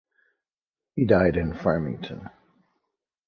He died in Farmington.